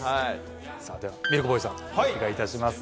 ではミルクボーイさんお願い致します。